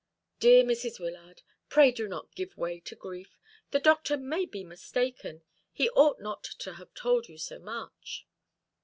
"Dear Mrs. Wyllard, pray do not give way to grief. The doctor may be mistaken. He ought not to have told you so much."